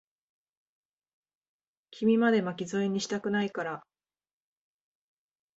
君まで、巻き添えにしたくないから。